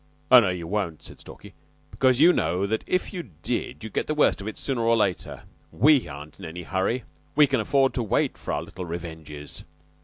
"Oh, no, you won't," said Stalky, "because you know that if you did you'd get the worst of it sooner or later. We aren't in any hurry. We can afford to wait for our little revenges.